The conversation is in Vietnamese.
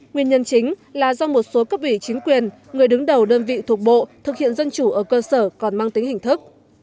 nguyên nhân chính là do một số cấp ủy chính quyền người đứng đầu đơn vị thuộc bộ thực hiện dân chủ ở cơ sở còn mang tính hình thức